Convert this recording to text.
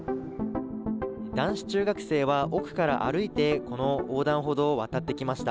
男子中学生は、奥から歩いてこの横断歩道を渡ってきました。